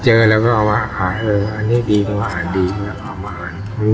เจอแล้วก็เอามาอาหารเอออันนี้ดีก็เอามาอาหารดีก็เอามาอาหาร